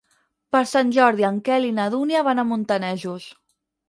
Per Sant Jordi en Quel i na Dúnia van a Montanejos.